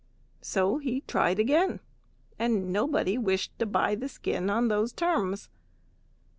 So he tried again, and nobody wished to buy the skin on those terms.